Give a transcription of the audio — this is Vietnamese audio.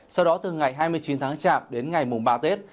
sau đó từ ngày hai mươi chín tháng chạp đến ngày mùng ba tết